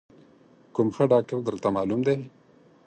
کوم ښه ډاکتر درته معلوم دی؟